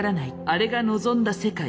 「あれが望んだ世界？